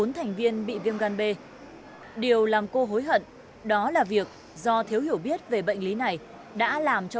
bốn thành viên bị viêm gan b điều làm cô hối hận đó là việc do thiếu hiểu biết về bệnh lý này đã làm cho